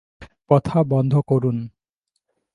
কথা বন্ধ করুন।